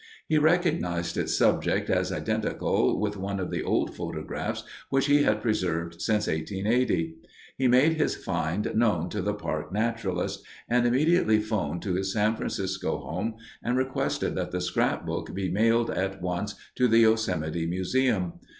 He recognized its subject as identical with one of the old photographs which he had preserved since 1880. He made his find known to the park naturalist, and immediately phoned to his San Francisco home and requested that the scrapbook be mailed at once to the Yosemite Museum.